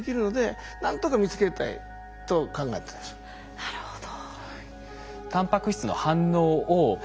なるほど。